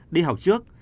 đi học trước